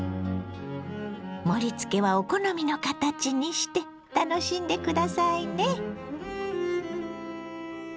盛りつけはお好みの形にして楽しんで下さいね。